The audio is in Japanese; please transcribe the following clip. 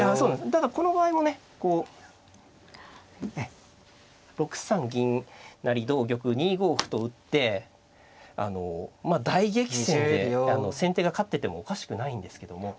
ただこの場合もねこう６三銀成同玉２五歩と打ってあの大激戦で先手が勝っててもおかしくないんですけども。